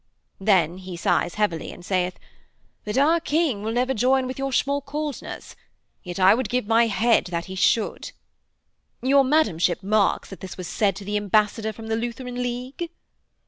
_" Then he sighs heavily, and saith: "But our King will never join with your Schmalkaldners. Yet I would give my head that he should."... Your madamship marks that this was said to the ambassador from the Lutheran league?'